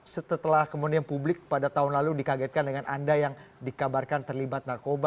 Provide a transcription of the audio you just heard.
setelah kemudian publik pada tahun lalu dikagetkan dengan anda yang dikabarkan terlibat narkoba